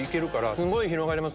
すごい広がります